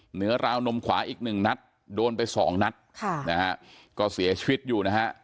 เหนือราวนมขวาอีกหนึ่งนัดโดนไปสองนัดค่ะนะฮะก็เสียชีวิตอยู่นะฮะ